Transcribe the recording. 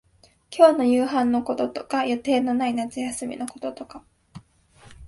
今日の夕飯のこととか、予定のない夏休みのこととか、